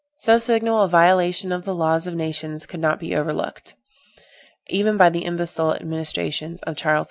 So signal a violation of the laws of nations could not be overlooked, even by the imbecile administrations of Charles X.